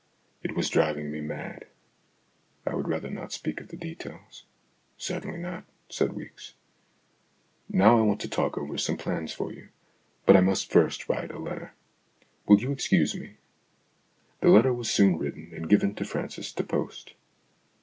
It was driving me mad. I would rather not speak of the details." " Certainly not," said Weeks. " Now I want to talk over some plans for you, but I must first write a letter. Will you excuse THE AUTOBIOGRAPHY OF AN IDEA 67 me ?" The letter was soon written, and given to Francis to post.